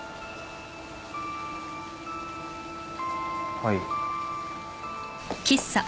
はい。